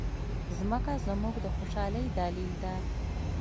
مځکه زموږ د خوشالۍ دلیل ده.